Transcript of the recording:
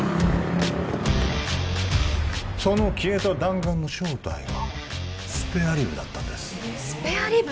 その消えた弾丸の正体はスペアリブだったんですスペアリブ？